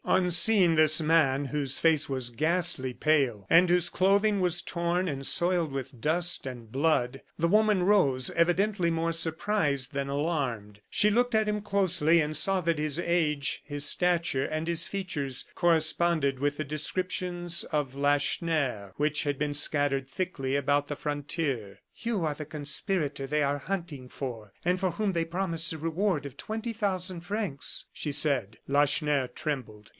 On seeing this man, whose face was ghastly pale, and whose clothing was torn and soiled with dust and blood, the woman rose, evidently more surprised than alarmed. She looked at him closely, and saw that his age, his stature, and his features corresponded with the descriptions of Lacheneur, which had been scattered thickly about the frontier. "You are the conspirator they are hunting for, and for whom they promise a reward of twenty thousand francs," she said. Lacheneur trembled.